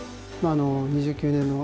２９年の